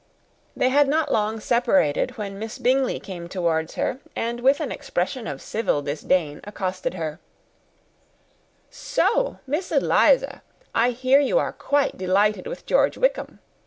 They had not long separated when Miss Bingley came towards her, and, with an expression of civil disdain, thus accosted her, "So, Miss Eliza, I hear you are quite delighted with George Wickham?